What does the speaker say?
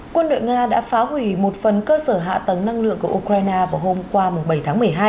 quân đội nga đã phá hủy một phần cơ sở hạ tầng năng lượng của ukraine vào hôm qua bảy tháng một mươi hai